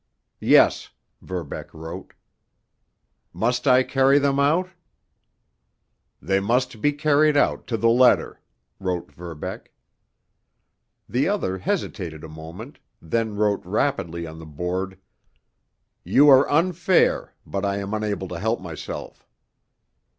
"Yes," Verbeck wrote. "Must I carry them out?" "They must be carried out—to the letter," wrote Verbeck. The other hesitated a moment, then wrote rapidly on the board: "You are unfair, but I am unable to help myself."